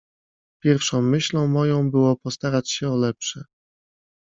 "Pierwszą myślą moją było postarać się o lepsze."